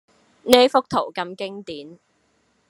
呢幅圖咁經典